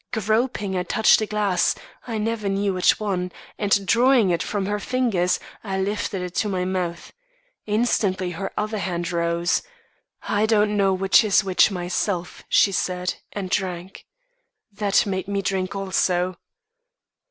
Groping, I touched a glass I never knew which one and drawing it from her fingers, I lifted it to my mouth. Instantly her other hand rose. 'I don't know which is which, myself,' she said, and drank. That made me drink, also.